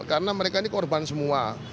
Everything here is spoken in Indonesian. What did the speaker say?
karena mereka ini korban semua